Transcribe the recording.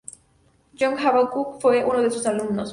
John Habacuc fue uno de sus alumnos.